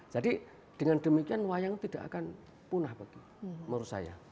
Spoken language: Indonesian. jadi dengan demikian wayang tidak akan punah menurut saya